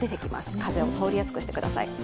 風を通りやすくしてください。